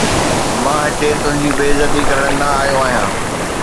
مان هتي تنهنجي بي عزتي ڪرڻ نه آيو آهيان